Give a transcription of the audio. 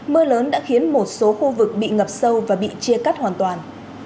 mưa lớn đã khiến một số khu vực bị ngập sâu và bị chia cắt hoàn toàn